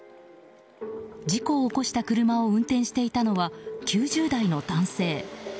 事故を起こした車を運転していたのは９０代の男性。